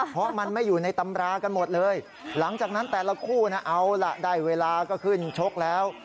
เพราะมันไม่อยู่ในตำรากันหมดเลยหลังจากนั้นแต่ละคู่นะเอาล่ะได้เวลาก็ขึ้นชกแล้ว